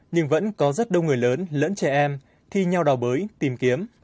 nhưng vẫn có rất đông người lớn lẫn trẻ em thi nhau đào bới tìm kiếm